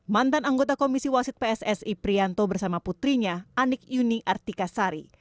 mantan anggota komisi wasit pssi prianto bersama putrinya anik yuning artika sari